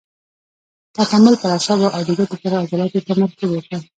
تکامل پر اعصابو او د ګوتو پر عضلاتو تمرکز وکړ.